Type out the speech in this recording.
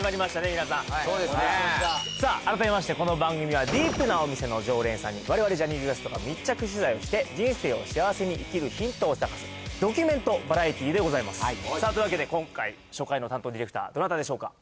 皆さんさあ改めましてこの番組はＤＥＥＰなお店の常連さんに我々ジャニーズＷＥＳＴが密着取材をして人生を幸せに生きるヒントを探すドキュメントバラエティーでございますというわけで今回初回の担当ディレクターどなたでしょうか？